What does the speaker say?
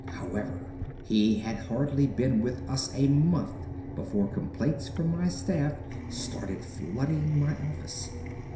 However, he had hardly been with us a month before complaints from my staff started flooding my office.